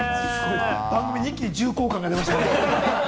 番組に一気に重厚感が出ましたね。